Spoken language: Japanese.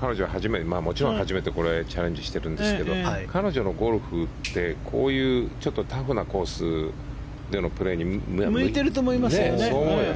彼女はもちろん初めてチャレンジしてるんですけど彼女のゴルフってこういうタフなコースでのプレーに向いてると思いますよね。